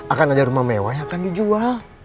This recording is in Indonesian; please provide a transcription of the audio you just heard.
akan ada rumah mewah yang akan dijual